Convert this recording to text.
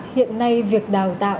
hiện nay việc đào tạo